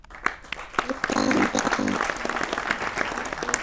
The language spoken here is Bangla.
এ উংরা পুংরা, কই ছিলি তুই?